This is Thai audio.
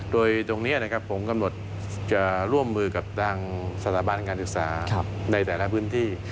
โดยตรงนี้นะครับผมกำหนดจะร่วมมือกับทางสถาบันการศึกษาในแต่ละพื้นที่